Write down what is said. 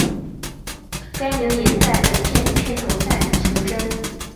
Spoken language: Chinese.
该名言在本片的片头再次重申。